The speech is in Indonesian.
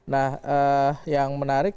nah yang menarik